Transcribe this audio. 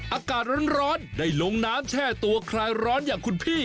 อากาศร้อนได้ลงน้ำแช่ตัวคลายร้อนอย่างคุณพี่